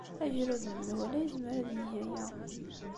Agrud n menwala yezmer ad yeg aya.